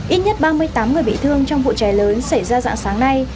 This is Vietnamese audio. ít nhất ba mươi tám người bị thương trong vụ cháy lớn xảy ra dạng sáng nay